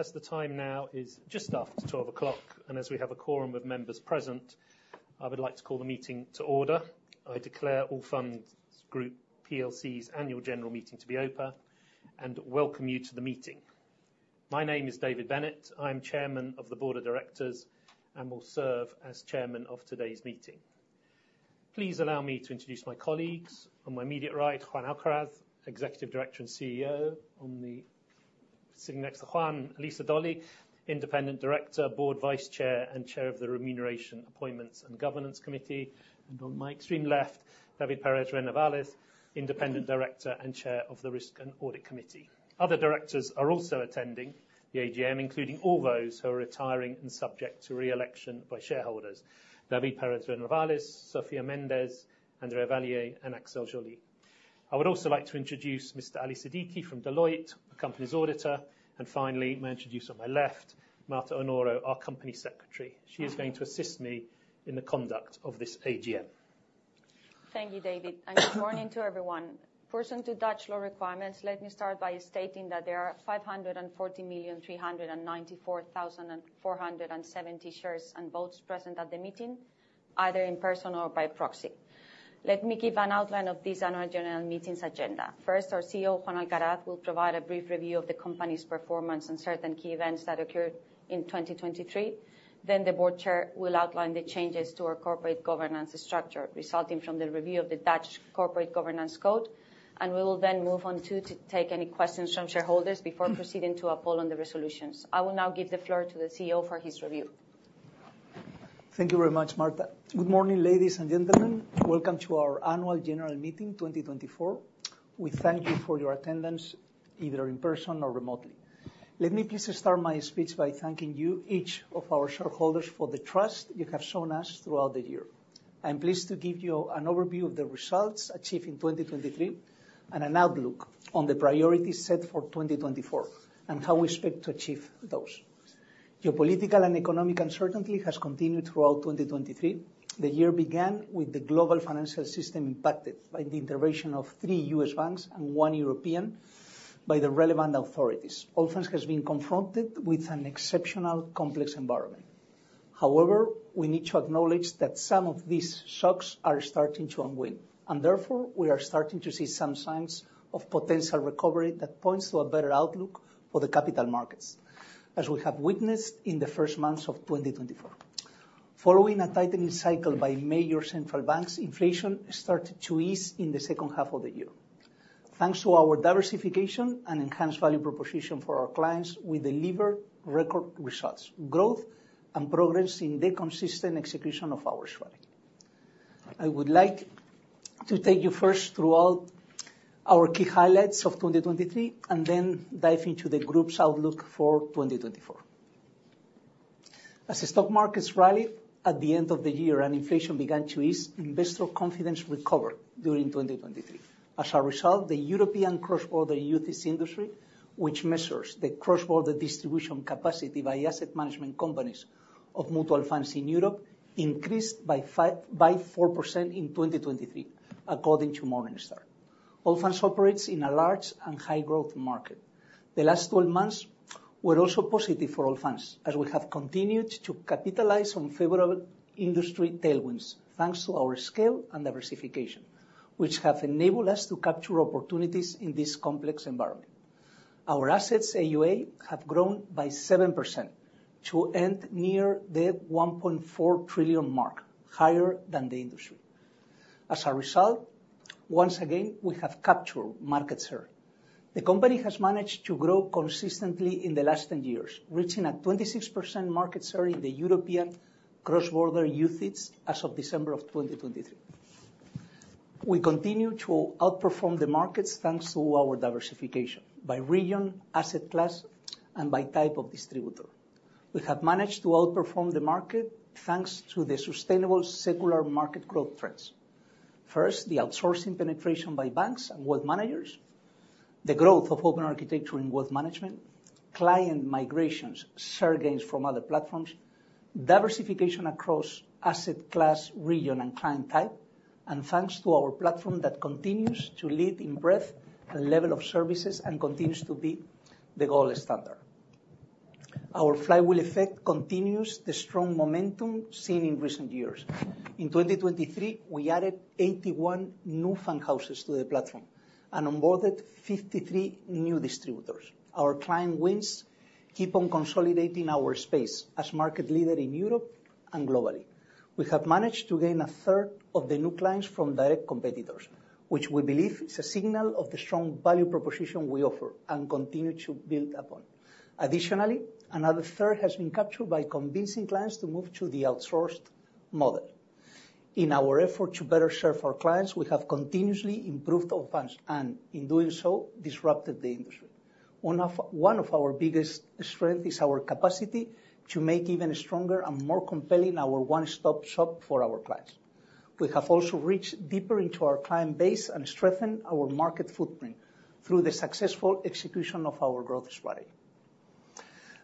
As the time now is just after 12:00, and as we have a quorum of members present, I would like to call the meeting to order. I declare Allfunds Group PLC's annual general meeting to be open, and welcome you to the meeting. My name is David Bennett. I'm Chairman of the board of directors, and will serve as Chairman of today's meeting. Please allow me to introduce my colleagues. On my immediate right, Juan Alcaraz, Executive Director and CEO. Sitting next to Juan, Lisa Dolly, Independent Director, board Vice Chair, and Chair of the Remuneration, Appointments, and Governance Committee. And on my extreme left, David Pérez Renovales, Independent Director and Chair of the Risk and Audit Committee. Other directors are also attending the AGM, including all those who are retiring and subject to re-election by shareholders: David Pérez Renovales, Sofia Mendes, Andrea Valier, and Axel Joly. I would also like to introduce Mr. Ali Siddiqui from Deloitte, the company's auditor, and finally, may I introduce on my left, Marta Oñoro, our company secretary. She is going to assist me in the conduct of this AGM. Thank you, David, and good morning to everyone. Pursuant to Dutch law requirements, let me start by stating that there are 540,394,470 shares and votes present at the meeting, either in person or by proxy. Let me give an outline of this annual general meeting's agenda. First, our CEO, Juan Alcaraz, will provide a brief review of the company's performance and certain key events that occurred in 2023. Then the board Chair will outline the changes to our corporate governance structure, resulting from the review of the Dutch Corporate Governance Code, and we will then move on to take any questions from shareholders before proceeding to a poll on the resolutions. I will now give the floor to the CEO for his review. Thank you very much, Marta. Good morning, ladies and gentlemen. Welcome to our annual general meeting, 2024. We thank you for your attendance, either in person or remotely. Let me please start my speech by thanking you, each of our shareholders, for the trust you have shown us throughout the year. I'm pleased to give you an overview of the results achieved in 2023, and an outlook on the priorities set for 2024, and how we expect to achieve those. Geopolitical and economic uncertainty has continued throughout 2023. The year began with the global financial system impacted by the intervention of three U.S. banks and one European by the relevant authorities. Allfunds has been confronted with an exceptional complex environment. However, we need to acknowledge that some of these shocks are starting to unwind, and therefore, we are starting to see some signs of potential recovery that points to a better outlook for the capital markets, as we have witnessed in the first months of 2024. Following a tightening cycle by major central banks, inflation started to ease in the second half of the year. Thanks to our diversification and enhanced value proposition for our clients, we delivered record results, growth, and progress in the consistent execution of our strategy. I would like to take you first throughout our key highlights of 2023, and then dive into the group's outlook for 2024. As the stock markets rallied at the end of the year and inflation began to ease, investor confidence recovered during 2023. As a result, the European cross-border UCITS industry, which measures the cross-border distribution capacity by asset management companies of mutual funds in Europe, increased by 4% in 2023, according to Morningstar. Allfunds operates in a large and high-growth market. The last 12 months were also positive for Allfunds, as we have continued to capitalize on favorable industry tailwinds, thanks to our scale and diversification, which have enabled us to capture opportunities in this complex environment. Our assets, AUA, have grown by 7% to end near the 1.4 trillion mark, higher than the industry. As a result, once again, we have captured market share. The company has managed to grow consistently in the last 10 years, reaching a 26% market share in the European cross-border UCITS as of December 2023. We continue to outperform the markets, thanks to our diversification by region, asset class, and by type of distributor. We have managed to outperform the market, thanks to the sustainable secular market growth trends. First, the outsourcing penetration by banks and wealth managers, the growth of open architecture in wealth management, client migrations, share gains from other platforms, diversification across asset class, region, and client type, and thanks to our platform that continues to lead in breadth and level of services, and continues to be the gold standard. Our flywheel effect continues the strong momentum seen in recent years. In 2023, we added 81 new fund houses to the platform and onboarded 53 new distributors. Our client wins keep on consolidating our space as market leader in Europe and globally. We have managed to gain 1/3 of the new clients from direct competitors, which we believe is a signal of the strong value proposition we offer and continue to build upon. Additionally, another third has been captured by convincing clients to move to the outsourced model. In our effort to better serve our clients, we have continuously improved Allfunds, and in doing so, disrupted the industry. One of our biggest strength is our capacity to make even stronger and more compelling our one-stop shop for our clients. We have also reached deeper into our client base and strengthened our market footprint through the successful execution of our growth strategy.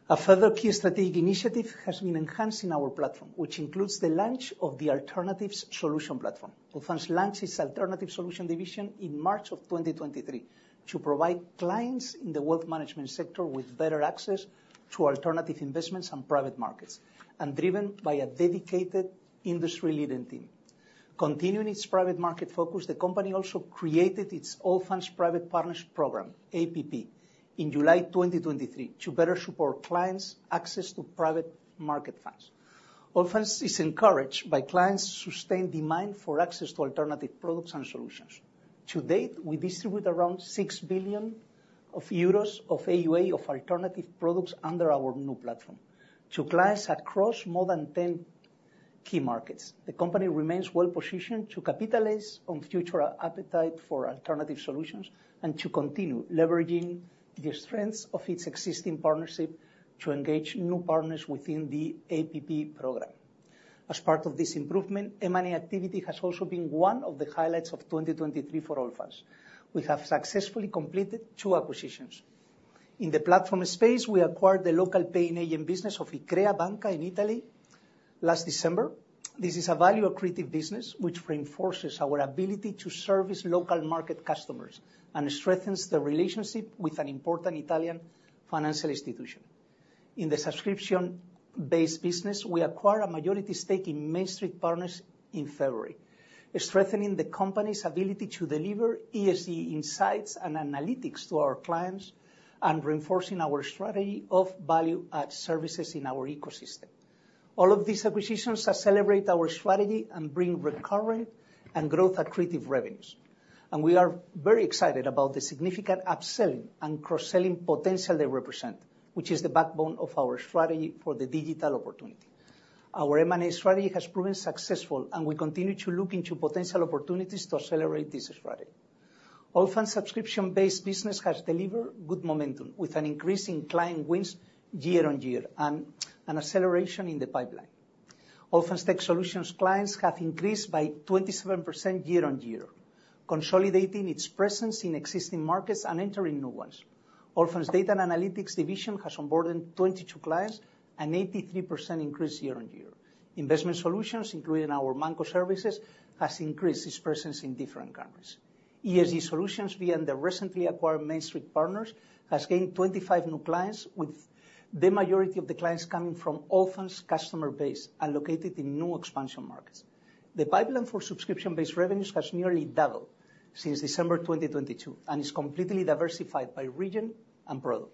A further key strategic initiative has been enhancing our platform, which includes the launch of the Alternative Solutions platform. Allfunds launched its Alternative Solutions division in March 2023 to provide clients in the wealth management sector with better access to alternative investments and private markets, and driven by a dedicated industry-leading team. Continuing its private market focus, the company also created its Allfunds Private Partners program, APP, in July 2023 to better support clients' access to private market funds. Allfunds is encouraged by clients' sustained demand for access to alternative products and solutions. To date, we distribute around 6 billion euros of AUA of alternative products under our new platform to clients across more than 10 key markets. The company remains well-positioned to capitalize on future appetite for alternative solutions and to continue leveraging the strengths of its existing partnership to engage new partners within the APP program. As part of this improvement, M&A activity has also been one of the highlights of 2023 for Allfunds. We have successfully completed two acquisitions. In the platform space, we acquired the local paying agent business of Iccrea Banca in Italy last December. This is a value-accretive business, which reinforces our ability to service local market customers and strengthens the relationship with an important Italian financial institution. In the subscription-based business, we acquired a majority stake in MainStreet Partners in February, strengthening the company's ability to deliver ESG insights and analytics to our clients and reinforcing our strategy of value-add services in our ecosystem. All of these acquisitions accelerate our strategy and bring recurrent and growth-accretive revenues, and we are very excited about the significant upselling and cross-selling potential they represent, which is the backbone of our strategy for the digital opportunity. Our M&A strategy has proven successful, and we continue to look into potential opportunities to accelerate this strategy. Allfunds' subscription-based business has delivered good momentum, with an increase in client wins year-on-year and acceleration in the pipeline. Allfunds' tech solutions clients have increased by 27% year-on-year, consolidating its presence in existing markets and entering new ones. Allfunds' data and analytics division has onboarded 22 clients, an 83% increase year-on-year. Investment solutions, including our ManCo services, has increased its presence in different countries. ESG Solutions, via the recently acquired MainStreet Partners, has gained 25 new clients, with the majority of the clients coming from Allfunds' customer base and located in new expansion markets. The pipeline for subscription-based revenues has nearly doubled since December 2022, and is completely diversified by region and product.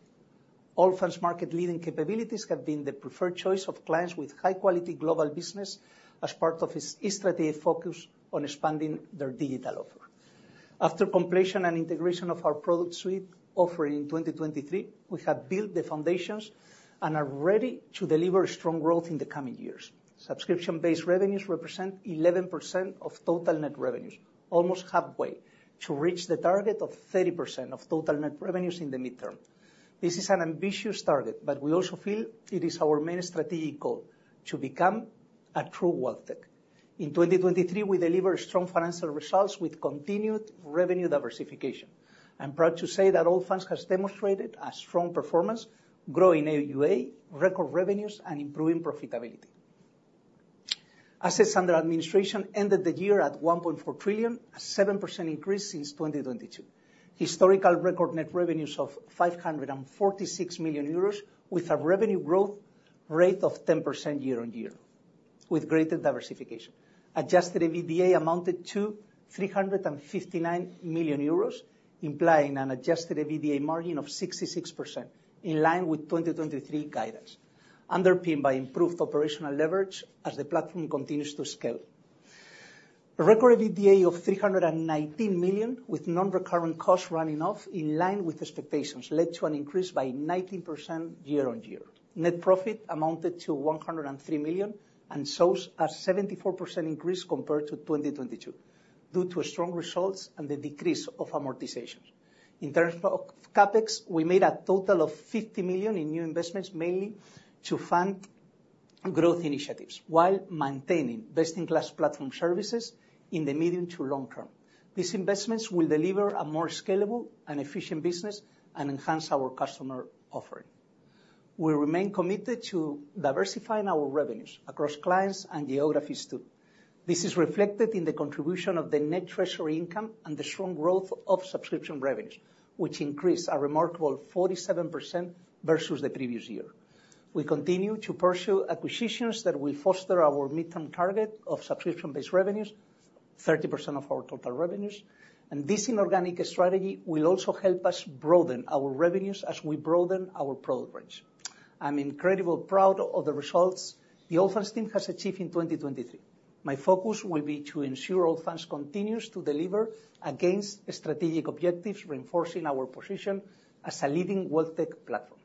Allfunds' market-leading capabilities have been the preferred choice of clients with high-quality global business as part of its strategic focus on expanding their digital offer. After completion and integration of our product suite offering in 2023, we have built the foundations and are ready to deliver strong growth in the coming years. Subscription-based revenues represent 11% of total net revenues, almost halfway to reach the target of 30% of total net revenues in the midterm. This is an ambitious target, but we also feel it is our main strategic goal to become a true wealthtech. In 2023, we delivered strong financial results with continued revenue diversification. I'm proud to say that Allfunds has demonstrated a strong performance, growing AUA, record revenues, and improving profitability. Assets under administration ended the year at 1.4 trillion, a 7% increase since 2022. Historic record net revenues of 546 million euros, with a revenue growth rate of 10% year-on-year, with greater diversification. Adjusted EBITDA amounted to 359 million euros, implying an adjusted EBITDA margin of 66%, in line with 2023 guidance, underpinned by improved operational leverage as the platform continues to scale. A record EBITDA of 319 million, with non-recurrent costs running off in line with expectations, led to an increase by 19% year-on-year. Net profit amounted to 103 million, and shows a 74% increase compared to 2022, due to strong results and the decrease of amortizations. In terms of CapEx, we made a total of 50 million in new investments, mainly to fund growth initiatives, while maintaining best-in-class platform services in the medium to long term. These investments will deliver a more scalable and efficient business and enhance our customer offering. We remain committed to diversifying our revenues across clients and geographies, too. This is reflected in the contribution of the net treasury income and the strong growth of subscription revenues, which increased a remarkable 47% versus the previous year. We continue to pursue acquisitions that will foster our midterm target of subscription-based revenues, 30% of our total revenues, and this inorganic strategy will also help us broaden our revenues as we broaden our product range. I'm incredibly proud of the results the Allfunds team has achieved in 2023. My focus will be to ensure Allfunds continues to deliver against strategic objectives, reinforcing our position as a leading wealthtech platform.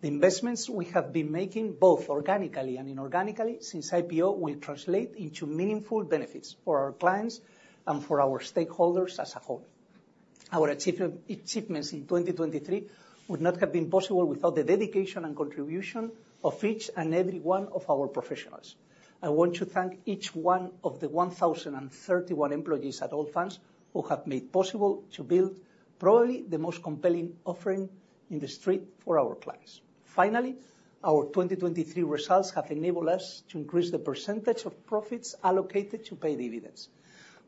The investments we have been making, both organically and inorganically, since IPO will translate into meaningful benefits for our clients and for our stakeholders as a whole. Our achievement, achievements in 2023 would not have been possible without the dedication and contribution of each and every one of our professionals. I want to thank each one of the 1,031 employees at Allfunds, who have made possible to build probably the most compelling offering in the street for our clients. Finally, our 2023 results have enabled us to increase the percentage of profits allocated to pay dividends.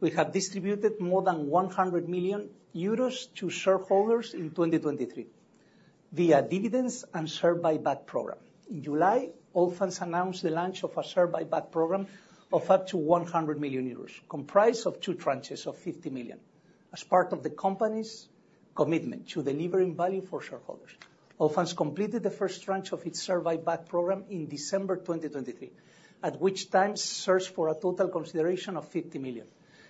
We have distributed more than 100 million euros to shareholders in 2023 via dividends and share buyback program. In July, Allfunds announced the launch of a share buyback program of up to 100 million euros, comprised of two tranches of 50 million. As part of the company's commitment to delivering value for shareholders, Allfunds completed the first tranche of its share buyback program in December 2023, at which time shares for a total consideration of 50 million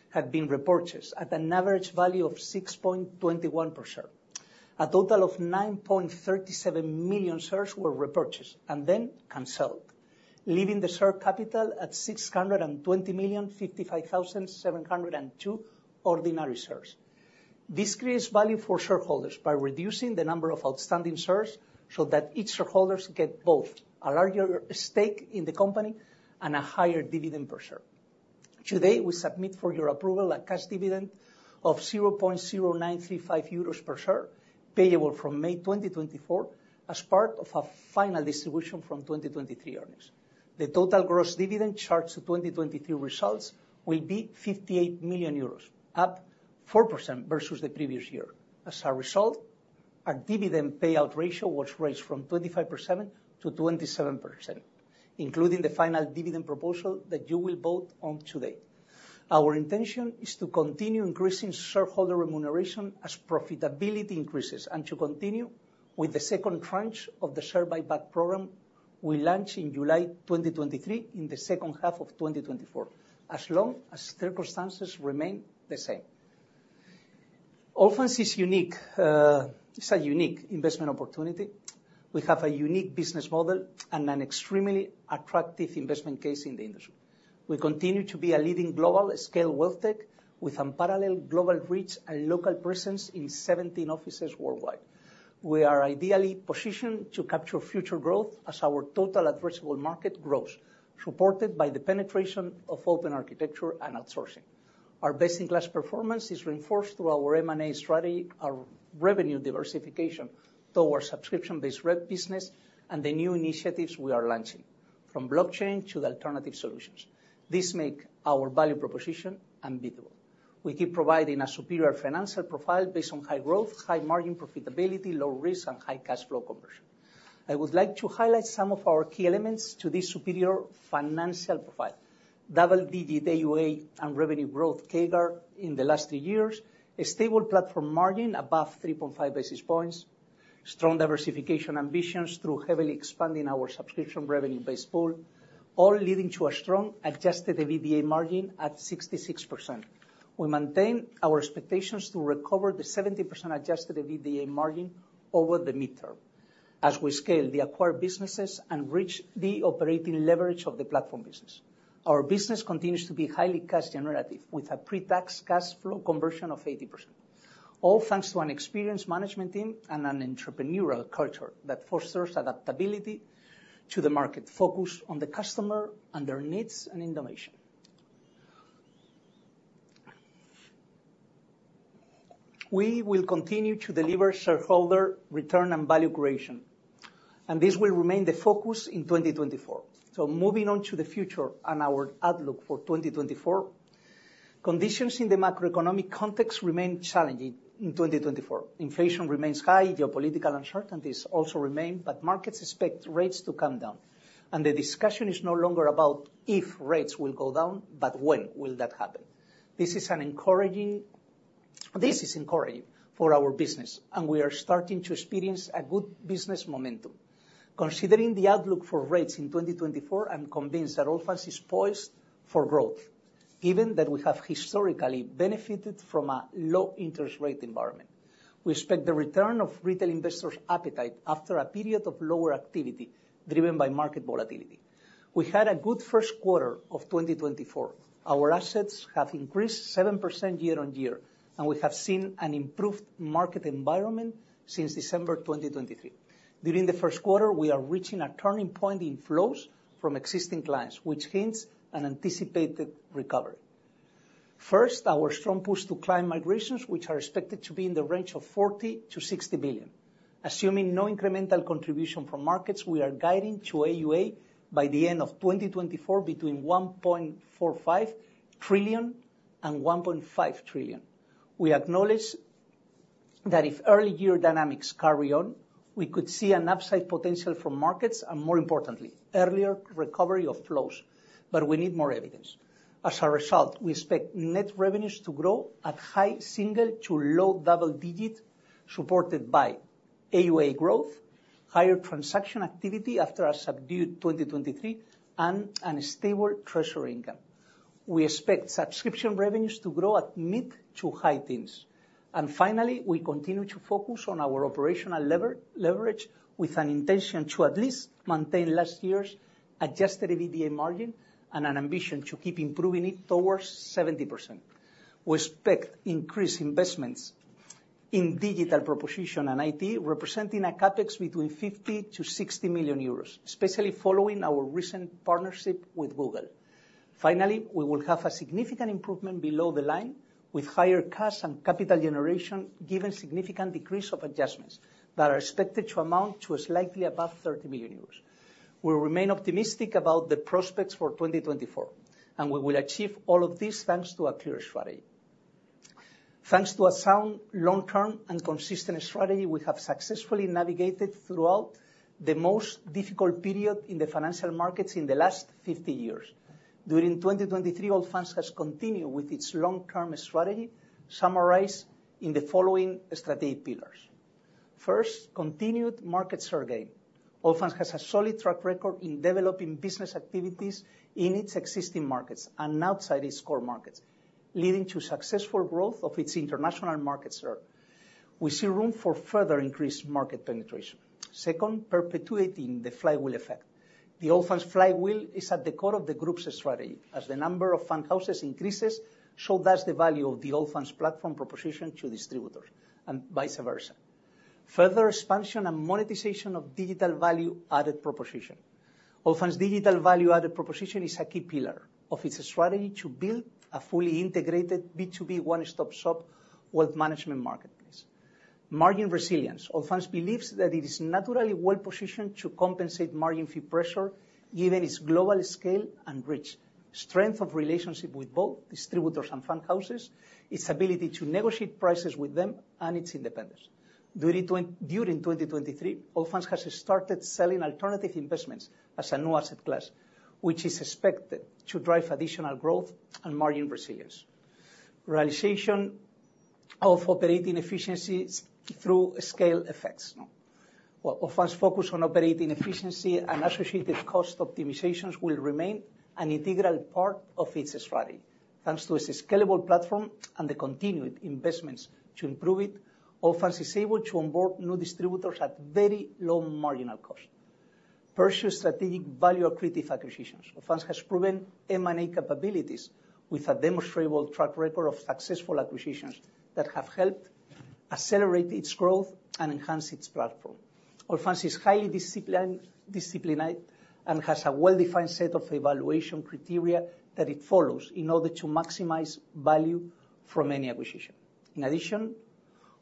had been repurchased at an average value of 6.21 per share. A total of 9.37 million shares were repurchased and then canceled, leaving the share capital at 620,055,702 ordinary shares. This creates value for shareholders by reducing the number of outstanding shares, so that each shareholders get both a larger stake in the company and a higher dividend per share. Today, we submit for your approval a cash dividend of 0.0935 euros per share, payable from May 2024, as part of a final distribution from 2023 earnings. The total gross dividend charged to 2023 results will be 58 million euros, up 4% versus the previous year. As a result, our dividend payout ratio was raised from 25%-27%, including the final dividend proposal that you will vote on today. Our intention is to continue increasing shareholder remuneration as profitability increases, and to continue with the second tranche of the share buyback program we launched in July 2023, in the second half of 2024, as long as circumstances remain the same. Allfunds is unique, it's a unique investment opportunity. We have a unique business model and an extremely attractive investment case in the industry. We continue to be a leading global scale wealth tech, with unparalleled global reach and local presence in 17 offices worldwide. We are ideally positioned to capture future growth as our total addressable market grows, supported by the penetration of open architecture and outsourcing. Our best-in-class performance is reinforced through our M&A strategy, our revenue diversification towards subscription-based rev business, and the new initiatives we are launching, from blockchain to alternative solutions. This makes our value proposition unbeatable. We keep providing a superior financial profile based on high growth, high margin profitability, low risk, and high cash flow conversion. I would like to highlight some of our key elements to this superior financial profile. Double-digit AUA and revenue growth CAGR in the last 3 years, a stable platform margin above 3.5 basis points, strong diversification ambitions through heavily expanding our subscription revenue base pool, all leading to a strong adjusted EBITDA margin at 66%. We maintain our expectations to recover the 70% adjusted EBITDA margin over the midterm, as we scale the acquired businesses and reach the operating leverage of the platform business. Our business continues to be highly cash generative, with a pre-tax cash flow conversion of 80%. All thanks to an experienced management team and an entrepreneurial culture that fosters adaptability to the market, focused on the customer and their needs, and innovation. We will continue to deliver shareholder return and value creation, and this will remain the focus in 2024. So moving on to the future and our outlook for 2024, conditions in the macroeconomic context remain challenging in 2024. Inflation remains high, geopolitical uncertainties also remain, but markets expect rates to come down. The discussion is no longer about if rates will go down, but when will that happen? This is encouraging for our business, and we are starting to experience a good business momentum. Considering the outlook for rates in 2024, I'm convinced that Allfunds is poised for growth, even that we have historically benefited from a low interest rate environment. We expect the return of retail investors' appetite after a period of lower activity, driven by market volatility. We had a good first quarter of 2024. Our assets have increased 7% year-on-year, and we have seen an improved market environment since December 2023. During the first quarter, we are reaching a turning point in flows from existing clients, which hints an anticipated recovery. First, our strong push to client migrations, which are expected to be in the range of 40 billion-60 billion. Assuming no incremental contribution from markets, we are guiding to AUA by the end of 2024, between 1.45 trillion and 1.5 trillion. We acknowledge that if early year dynamics carry on, we could see an upside potential from markets, and more importantly, earlier recovery of flows, but we need more evidence. As a result, we expect net revenues to grow at high single- to low double-digits, supported by AUA growth, higher transaction activity after a subdued 2023, and a stable treasury income. We expect subscription revenues to grow at mid- to high-teens. Finally, we continue to focus on our operational leverage, with an intention to at least maintain last year's adjusted EBITDA margin and an ambition to keep improving it towards 70%. We expect increased investments in digital proposition and IT, representing a CapEx between 50 million-60 million euros, especially following our recent partnership with Google. Finally, we will have a significant improvement below the line, with higher cash and capital generation, given significant decrease of adjustments that are expected to amount to a slightly above 30 million euros. We remain optimistic about the prospects for 2024, and we will achieve all of this, thanks to a clear strategy. Thanks to a sound, long-term, and consistent strategy, we have successfully navigated throughout the most difficult period in the financial markets in the last 50 years. During 2023, Allfunds has continued with its long-term strategy, summarized in the following strategic pillars. First, continued market share gain. Allfunds has a solid track record in developing business activities in its existing markets and outside its core markets, leading to successful growth of its international market share. We see room for further increased market penetration. Second, perpetuating the flywheel effect. The Allfunds flywheel is at the core of the group's strategy, as the number of fund houses increases, so does the value of the Allfunds platform proposition to distributors, and vice versa. Further expansion and monetization of digital value-added proposition. Allfunds' digital value-added proposition is a key pillar of its strategy to build a fully integrated B2B one-stop shop with management marketplace. Margin resilience: Allfunds believes that it is naturally well-positioned to compensate margin fee pressure, given its global scale and reach, strength of relationship with both distributors and fund houses, its ability to negotiate prices with them, and its independence. During 2023, Allfunds has started selling alternative investments as a new asset class, which is expected to drive additional growth and margin resilience. Realization of operating efficiencies through scale effects. Well, Allfunds' focus on operating efficiency and associated cost optimizations will remain an integral part of its strategy. Thanks to its scalable platform and the continued investments to improve it, Allfunds is able to onboard new distributors at very low marginal cost. Pursue strategic value accretive acquisitions. Allfunds has proven M&A capabilities with a demonstrable track record of successful acquisitions that have helped accelerate its growth and enhance its platform. Allfunds is highly disciplined, and has a well-defined set of evaluation criteria that it follows in order to maximize value from any acquisition. In addition,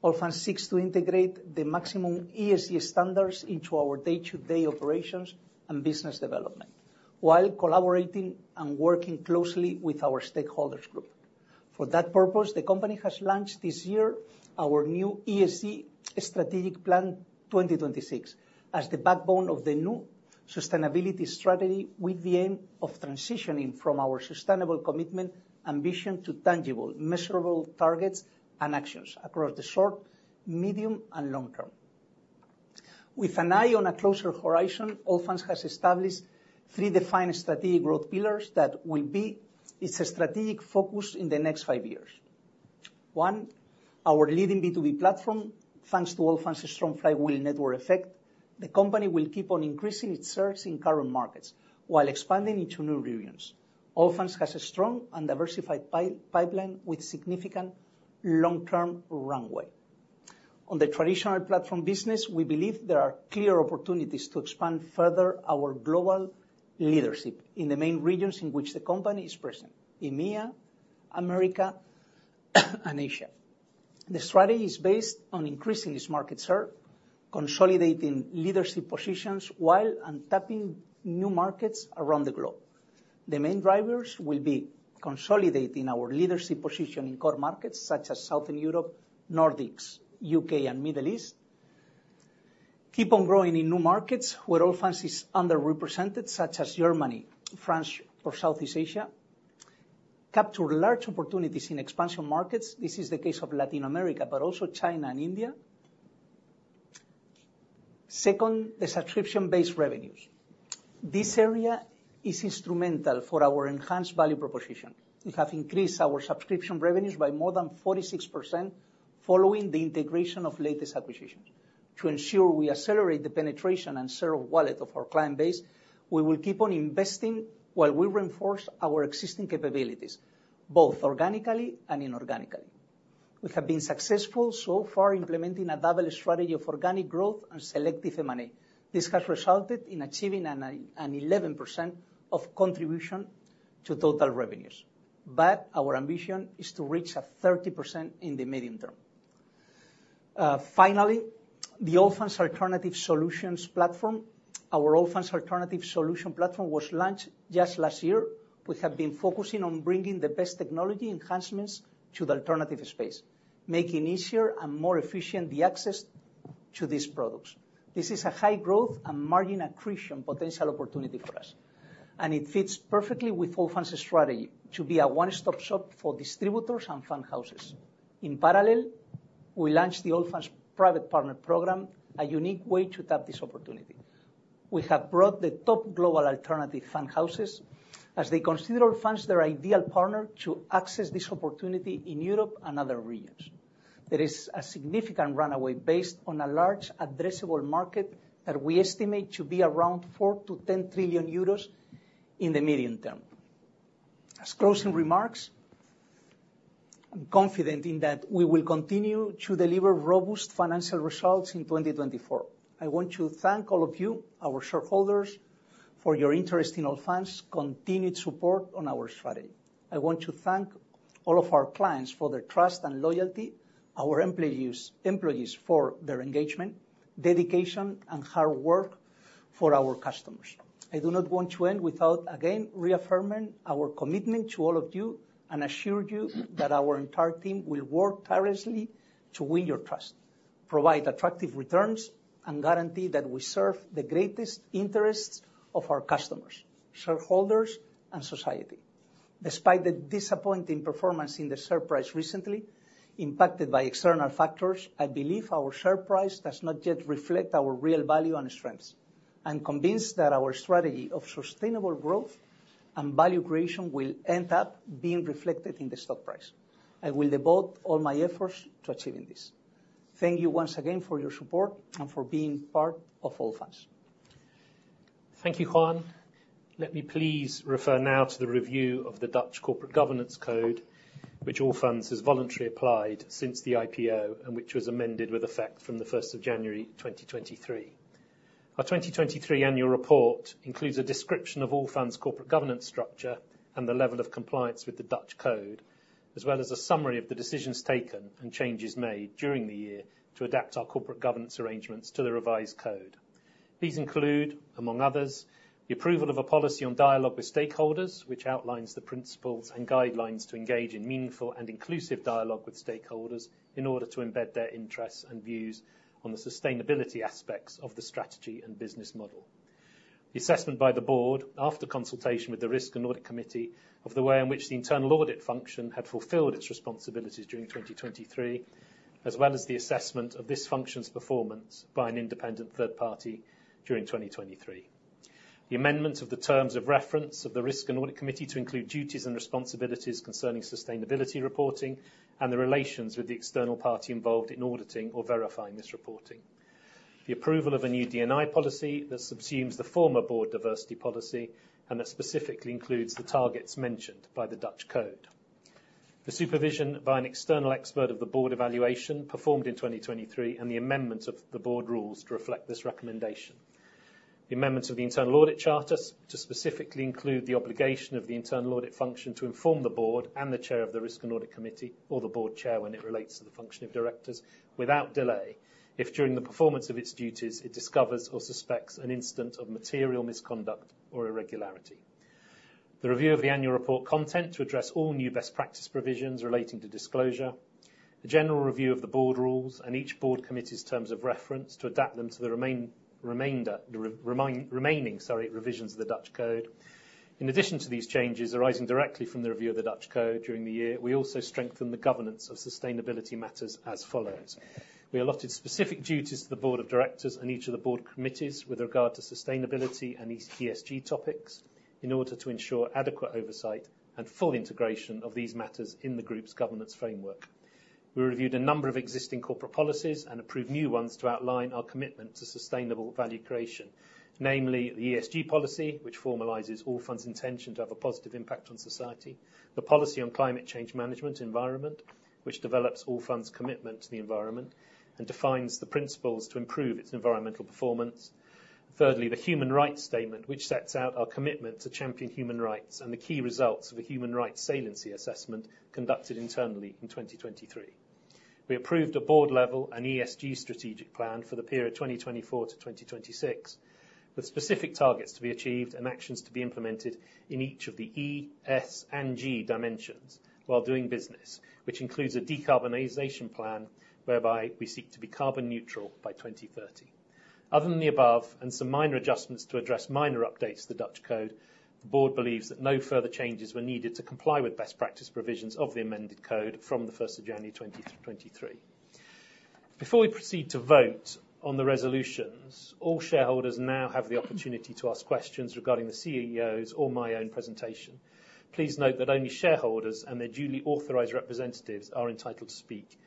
Allfunds seeks to integrate the maximum ESG standards into our day-to-day operations and business development, while collaborating and working closely with our stakeholders group. For that purpose, the company has launched this year our new ESG strategic plan 2026, as the backbone of the new sustainability strategy, with the aim of transitioning from our sustainable commitment ambition to tangible, measurable targets and actions across the short, medium, and long term. With an eye on a closer horizon, Allfunds has established three defined strategic growth pillars that will be its strategic focus in the next five years. One, our leading B2B platform. Thanks to Allfunds' strong flywheel network effect, the company will keep on increasing its shares in current markets, while expanding into new regions. Allfunds has a strong and diversified pipeline, with significant long-term runway. On the traditional platform business, we believe there are clear opportunities to expand further our global leadership in the main regions in which the company is present: EMEA, America, and Asia. The strategy is based on increasing its market share, consolidating leadership positions, while tapping new markets around the globe. The main drivers will be consolidating our leadership position in core markets, such as Southern Europe, Nordics, U.K., and Middle East. Keep on growing in new markets where Allfunds is underrepresented, such as Germany, France, or Southeast Asia. Capture large opportunities in expansion markets. This is the case of Latin America, but also China and India. Second, the subscription-based revenues. This area is instrumental for our enhanced value proposition. We have increased our subscription revenues by more than 46%, following the integration of latest acquisitions. To ensure we accelerate the penetration and share of wallet of our client base, we will keep on investing while we reinforce our existing capabilities, both organically and inorganically. We have been successful so far implementing a double strategy of organic growth and selective M&A. This has resulted in achieving an 11% contribution to total revenues, but our ambition is to reach 30% in the medium term. Finally, the Allfunds Alternative Solutions platform. Our Allfunds Alternative Solutions platform was launched just last year. We have been focusing on bringing the best technology enhancements to the alternative space, making easier and more efficient the access to these products. This is a high growth and margin accretion potential opportunity for us, and it fits perfectly with Allfunds' strategy to be a one-stop shop for distributors and fund houses. In parallel, we launched the Allfunds Private Partner program, a unique way to tap this opportunity. We have brought the top global alternative fund houses, as they consider Allfunds their ideal partner to access this opportunity in Europe and other regions. There is a significant runway based on a large addressable market that we estimate to be around 4 trillion-10 trillion euros in the medium term. As closing remarks, I'm confident in that we will continue to deliver robust financial results in 2024. I want to thank all of you, our shareholders, for your interest in Allfunds' continued support on our strategy. I want to thank all of our clients for their trust and loyalty, our employees for their engagement, dedication, and hard work for our customers. I do not want to end without, again, reaffirming our commitment to all of you, and assure you that our entire team will work tirelessly to win your trust, provide attractive returns, and guarantee that we serve the greatest interests of our customers, shareholders, and society. Despite the disappointing performance in the share price recently, impacted by external factors, I believe our share price does not yet reflect our real value and strengths. I'm convinced that our strategy of sustainable growth and value creation will end up being reflected in the stock price. I will devote all my efforts to achieving this. Thank you once again for your support and for being part of Allfunds. Thank you, Juan. Let me please refer now to the review of the Dutch Corporate Governance Code, which Allfunds has voluntarily applied since the IPO, and which was amended with effect from the first of January 2023. Our 2023 annual report includes a description of Allfunds' corporate governance structure and the level of compliance with the Dutch code, as well as a summary of the decisions taken and changes made during the year to adapt our corporate governance arrangements to the revised code. These include, among others, the approval of a policy on dialogue with stakeholders, which outlines the principles and guidelines to engage in meaningful and inclusive dialogue with stakeholders in order to embed their interests and views on the sustainability aspects of the strategy and business model. The assessment by the board, after consultation with the Risk and Audit Committee, of the way in which the internal audit function had fulfilled its responsibilities during 2023, as well as the assessment of this function's performance by an independent third party during 2023. The amendment of the terms of reference of the Risk and Audit Committee to include duties and responsibilities concerning sustainability reporting, and the relations with the external party involved in auditing or verifying this reporting. The approval of a new D&I policy that subsumes the former board diversity policy, and that specifically includes the targets mentioned by the Dutch code. The supervision by an external expert of the board evaluation performed in 2023, and the amendment of the board rules to reflect this recommendation. The amendments of the internal audit charter to specifically include the obligation of the internal audit function to inform the board and the Chair of the Risk and Audit Committee, or the board Chair, when it relates to the function of directors, without delay, if during the performance of its duties, it discovers or suspects an instance of material misconduct or irregularity. The review of the annual report content to address all new best practice provisions relating to disclosure, the general review of the board rules, and each board committee's terms of reference to adapt them to the remaining revisions of the Dutch code. In addition to these changes arising directly from the review of the Dutch code during the year, we also strengthened the governance of sustainability matters as follows: We allotted specific duties to the board of directors and each of the board committees with regard to sustainability and ESG topics in order to ensure adequate oversight and full integration of these matters in the group's governance framework. We reviewed a number of existing corporate policies and approved new ones to outline our commitment to sustainable value creation, namely, the ESG policy, which formalizes Allfunds' intention to have a positive impact on society. The policy on climate change management environment, which develops Allfunds' commitment to the environment and defines the principles to improve its environmental performance. Thirdly, the human rights statement, which sets out our commitment to champion human rights and the key results of a human rights saliency assessment conducted internally in 2023. We approved a board-level and ESG strategic plan for the period 2024 to 2026, with specific targets to be achieved and actions to be implemented in each of the E, S, and G dimensions while doing business, which includes a decarbonization plan, whereby we seek to be carbon neutral by 2030. Other than the above, and some minor adjustments to address minor updates to the Dutch code, the board believes that no further changes were needed to comply with best practice provisions of the amended code from January 1, 2023. Before we proceed to vote on the resolutions, all shareholders now have the opportunity to ask questions regarding the CEO's or my own presentation. Please note that only shareholders and their duly authorized representatives are entitled to speak.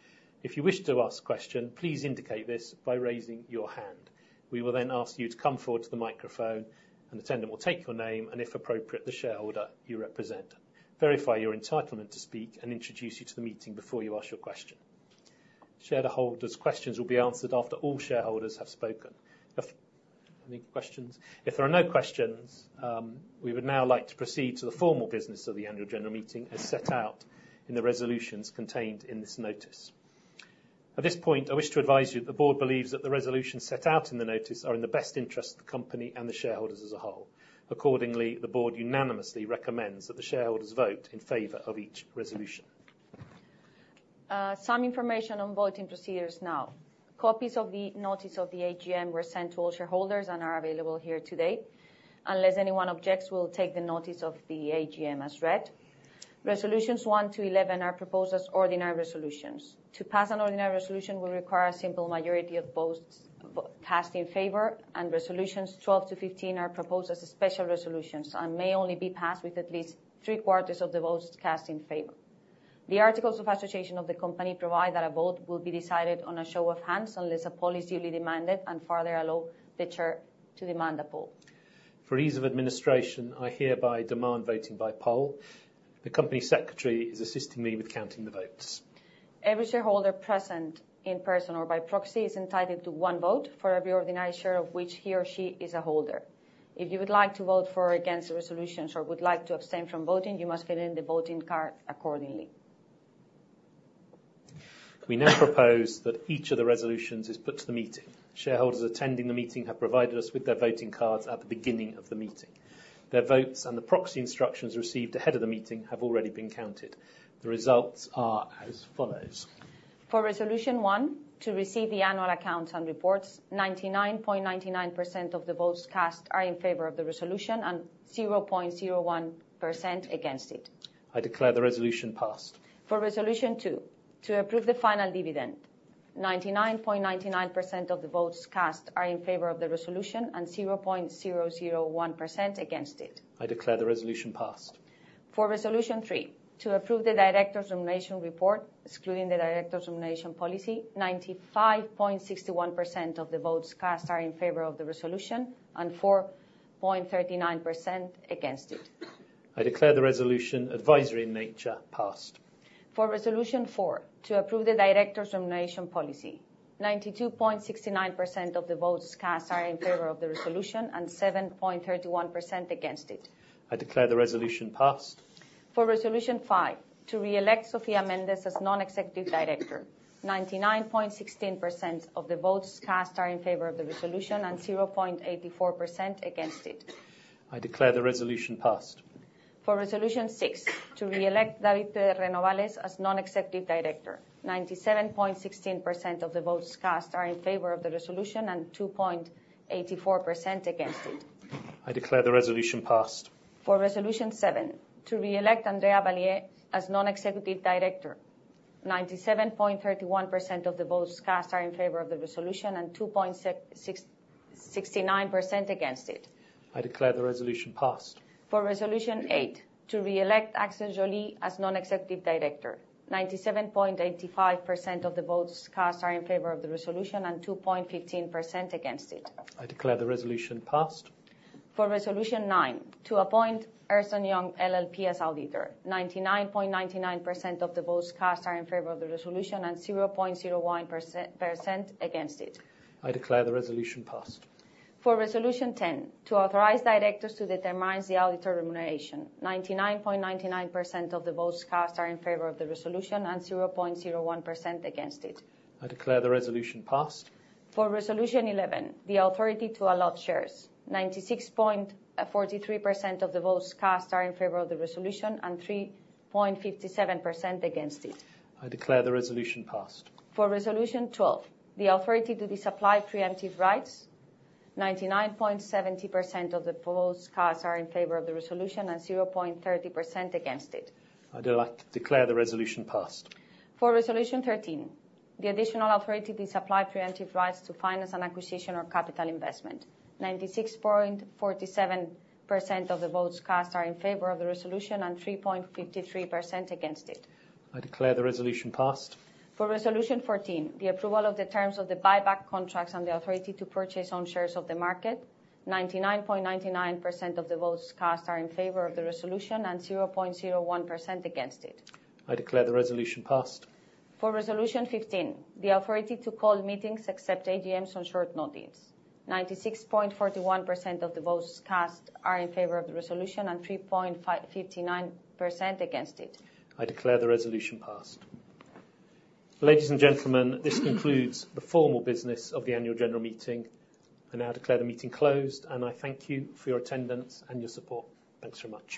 If you wish to ask a question, please indicate this by raising your hand. We will then ask you to come forward to the microphone, an attendant will take your name, and if appropriate, the shareholder you represent, verify your entitlement to speak and introduce you to the meeting before you ask your question. Shareholders' questions will be answered after all shareholders have spoken. Any questions? If there are no questions, we would now like to proceed to the formal business of the Annual General Meeting, as set out in the resolutions contained in this notice. At this point, I wish to advise you that the board believes that the resolutions set out in the notice are in the best interest of the company and the shareholders as a whole. Accordingly, the board unanimously recommends that the shareholders vote in favor of each resolution. Some information on voting procedures now. Copies of the notice of the AGM were sent to all shareholders and are available here today. Unless anyone objects, we'll take the notice of the AGM as read. Resolutions one to 11 are proposed as ordinary resolutions. To pass an ordinary resolution, we require a simple majority of votes cast in favor, and resolutions 12 to 15 are proposed as special resolutions and may only be passed with at least 3/4 of the votes cast in favor. The articles of association of the company provide that a vote will be decided on a show of hands, unless a poll is duly demanded, and further allow the Chair to demand a poll. For ease of administration, I hereby demand voting by poll. The company secretary is assisting me with counting the votes. Every shareholder present, in person or by proxy, is entitled to one vote for every ordinary share of which he or she is a holder. If you would like to vote for or against the resolutions or would like to abstain from voting, you must fill in the voting card accordingly. We now propose that each of the resolutions is put to the meeting. Shareholders attending the meeting have provided us with their voting cards at the beginning of the meeting. Their votes and the proxy instructions received ahead of the meeting have already been counted. The results are as follows: For resolution one, to receive the annual accounts and reports, 99.99% of the votes cast are in favor of the resolution and 0.01% against it. I declare the resolution passed. For resolution two, to approve the final dividend, 99.99% of the votes cast are in favor of the resolution and 0.01% against it. I declare the resolution passed. For resolution three, to approve the directors' remuneration report, excluding the directors' remuneration policy, 95.61% of the votes cast are in favor of the resolution and 4.39% against it. I declare the resolution, advisory in nature, passed. For resolution four, to approve the directors' remuneration policy, 92.69% of the votes cast are in favor of the resolution and 7.31% against it. I declare the resolution passed. For resolution five, to re-elect Sofia Mendes as Non-executive Director, 99.16% of the votes cast are in favor of the resolution and 0.84% against it. I declare the resolution passed. For resolution six, to re-elect David Renovales as Non-executive Director, 97.16% of the votes cast are in favor of the resolution and 2.84% against it. I declare the resolution passed. For resolution seven, to re-elect Andrea Valier as non-executive director, 97.31% of the votes cast are in favor of the resolution and 2.69% against it. I declare the resolution passed. For resolution eight, to re-elect Axel Joly as Non-executive Director, 97.85% of the votes cast are in favor of the resolution and 2.15% against it. I declare the resolution passed. For resolution nine, to appoint Ernst & Young LLP as our leader, 99.99% of the votes cast are in favor of the resolution and 0.01% against it. I declare the resolution passed. For resolution 10, to authorize directors to determine the auditor remuneration, 99.99% of the votes cast are in favor of the resolution and 0.01% against it. I declare the resolution passed. For resolution 11, the authority to allot shares, 96.43% of the votes cast are in favor of the resolution and 3.57% against it. I declare the resolution passed. For resolution 12, the authority to disapply pre-emption rights, 99.70% of the votes cast are in favor of the resolution and 0.30% against it. I declare the resolution passed. For resolution 13, the additional authority to disapply preemptive rights to finance an acquisition or capital investment, 96.47% of the votes cast are in favor of the resolution and 3.53% against it. I declare the resolution passed. For resolution 14, the approval of the terms of the buyback contracts and the authority to purchase own shares of the market, 99.99% of the votes cast are in favor of the resolution and 0.01% against it. I declare the resolution passed. For resolution 15, the authority to call meetings except AGMs on short notice, 96.41% of the votes cast are in favor of the resolution and 3.59% against it. I declare the resolution passed. Ladies and gentlemen, this concludes the formal business of the annual general meeting. I now declare the meeting closed, and I thank you for your attendance and your support. Thanks very much.